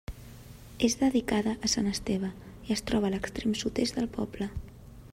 És dedicada a sant Esteve, i es troba a l'extrem sud-est del poble.